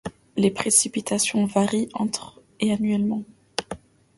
Les précipitations varient entre et annuellement.